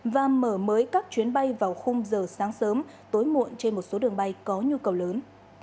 và mở mới các chuyến bay vào khung giờ sáng sớm tối muộn trên một số đường bay có nhu cầu lớn